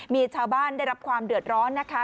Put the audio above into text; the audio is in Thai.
มีชาวบ้านได้รับความเดือดร้อนนะคะ